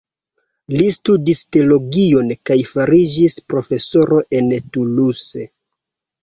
Li studis teologion kaj fariĝis profesoro en Toulouse.